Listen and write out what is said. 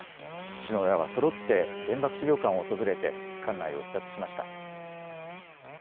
首脳らはそろって原爆資料館を訪れて館内を視察しました。